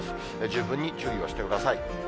十分に注意をしてください。